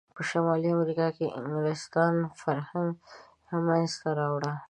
په شمالي امریکا کې انګلسان فرهنګ منځته راوړ.